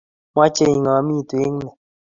meche ingomitu eng ni